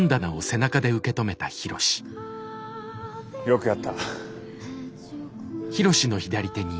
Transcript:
よくやった。